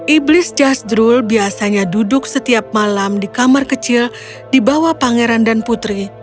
iblis jasdrul biasanya duduk setiap malam di kamar kecil di bawah pangeran dan putri